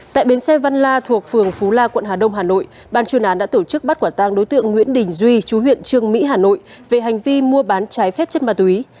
tại bến xe văn la thuộc phường phú la quận hà đông hà nội ban chuyên án đã tổ chức bắt quả tang đối tượng nguyễn đình duy chú huyện trương mỹ hà nội về hành vi mua bán trái phép chất ma túy